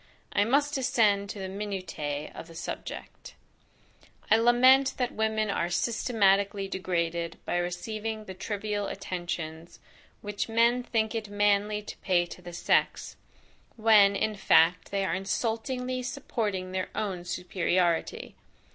I must descend to the minutiae of the subject. I lament that women are systematically degraded by receiving the trivial attentions, which men think it manly to pay to the sex, when, in fact, they are insultingly supporting their own superiority.